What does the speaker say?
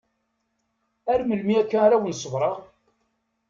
Ar melmi akka ara wen-ṣebreɣ?